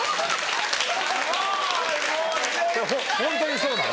ホントにそうなの？